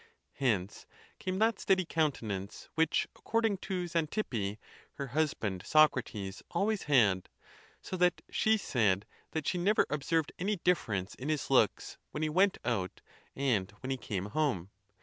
Hence came that steady countenance, which, according to Xantippe, her husband Socrates always had; so that she said that she never observed any difference in his looks when he went out and when he came home.